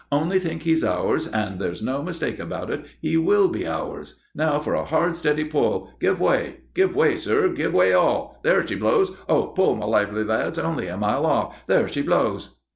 Only think he's ours, and there's no mistake about it, he will be ours. Now for a hard, steady pull! Give way!" "Give way, sir! Give way all!" "There she blows! Oh, pull, my lively lads! Only a mile off!" "There she blows!"